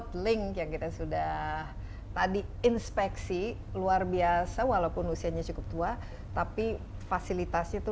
link yang kita sudah tadi inspeksi luar biasa walaupun usianya cukup tua tapi fasilitasnya itu